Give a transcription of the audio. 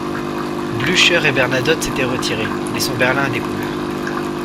Blücher et Bernadotte s'étaient retirés laissant Berlin à découvert.